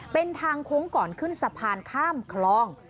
เป็นทางโค้งก่อนขึ้นสะพานข้ามคลอง